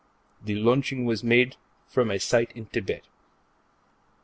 The launching was made from a site in Thibet.